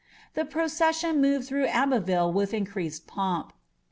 The procession moTeil through Abb* tilte with increased pomp.